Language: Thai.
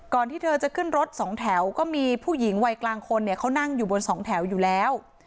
ที่เธอจะขึ้นรถสองแถวก็มีผู้หญิงวัยกลางคนเนี่ยเขานั่งอยู่บนสองแถวอยู่แล้ว